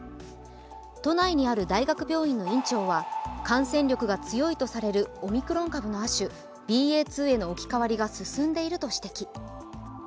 都内にある大学病院の院長は、感染力が強いとされるオミクロン株の亜種ＢＡ．２への置き換わりが進んでいると指摘。